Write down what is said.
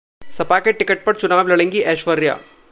सपा के टिकट पर चुनाव लड़ेंगी ऐश्वर्या!